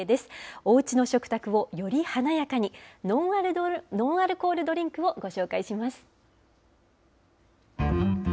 おうちの食卓をより華やかに、ノンアルコールドリンクをご紹介します。